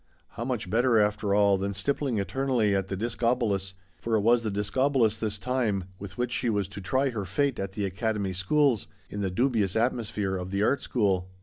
How much better, after all, than stippling eternally at the Dis cobolus — for it was the Discobolus this time, with which she was to try her fate at the Academy schools — in the dubious atmos phere of the Art School.